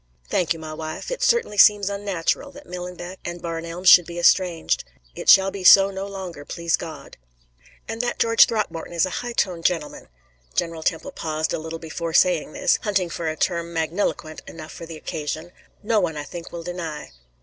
"Thank you, my wife. It certainly seems unnatural that Millenbeck and Barn Elms should be estranged. It shall be so no longer, please God. And that George Throckmorton is a high toned gentleman" General Temple paused a little before saying this, hunting for a term magniloquent enough for the occasion "no one, I think, will deny."